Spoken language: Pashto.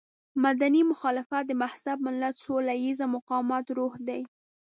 مدني مخالفت د مهذب ملت سوله ييز مقاومت روح دی.